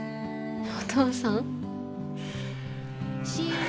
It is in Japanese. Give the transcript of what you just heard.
お父さん？